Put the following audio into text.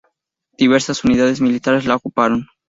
Diversas unidades militares la ocuparon.